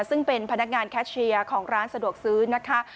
ซึ่งเป็นพนักงานแคชเชียร์ของร้านสะดวกซื้อนะคะ